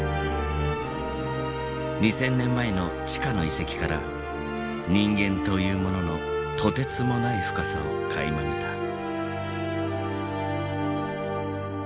２千年前の地下の遺跡から人間というもののとてつもない深さをかいま見た。